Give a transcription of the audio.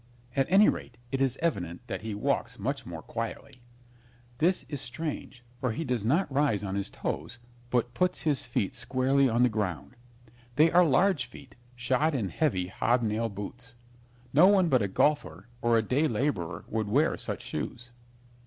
At any rate, it is evident that he walks much more quietly. This is strange, for he does not rise on his toes, but puts his feet squarely on the ground. They are large feet, shod in heavy hobnail boots. No one but a golfer or a day laborer would wear such shoes.